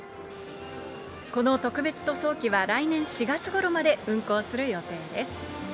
この特別塗装機は来年４月ごろまで運航する予定です。